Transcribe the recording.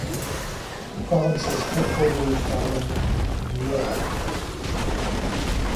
The province's headquarters are in Nyeri.